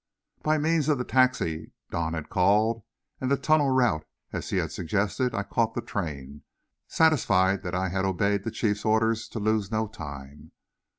By means of the taxi Don had called and the tunnel route as he had suggested, I caught the train, satisfied that I had obeyed the Chief's orders to lose no time.